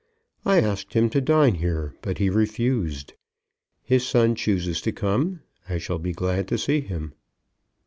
I asked him to dine here, but he refused. His son chooses to come. I shall be glad to see him."